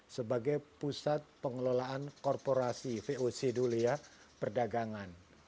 sebagai pusat pengelolaan korporasi voc dulu ya perdagangan